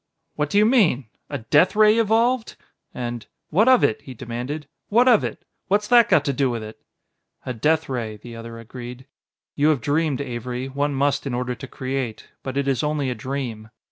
"What do you mean? a death ray evolved?" And: "What of it?" he demanded; "what of it? What's that got to do with it?" "A death ray," the other agreed. "You have dreamed, Avery one must in order to create but it is only a dream.